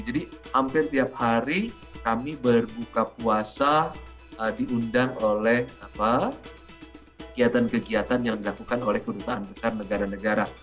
jadi hampir tiap hari kami berbuka puasa diundang oleh kegiatan kegiatan yang dilakukan oleh kedutaan besar negara negara